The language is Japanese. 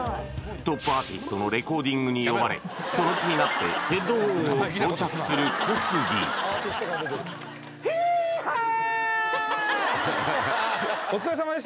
トップアーティストのレコーディングに呼ばれその気になってヘッドフォンを装着する小杉そしてヒーハー！